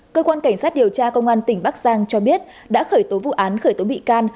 cơ quan cảnh sát điều tra công an tỉnh bắc giang cho biết đã khởi tố vụ án khởi tố bị can